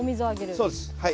そうですはい。